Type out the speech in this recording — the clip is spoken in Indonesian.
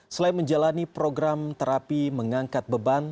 selain menjalani program terapi mengangkat beban